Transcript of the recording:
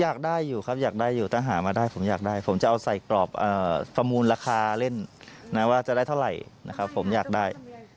อยากได้อยู่ครับอยากได้อยู่ถ้าหามาได้ผมอยากได้ผมจะเอาใส่กรอบประมูลราคาเล่นนะว่าจะได้เท่าไหร่นะครับผมอยากได้